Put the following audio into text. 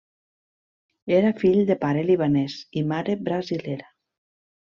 Era fill de pare libanès i mare brasilera.